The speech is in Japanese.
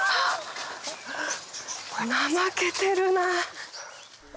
怠けてるなぁ。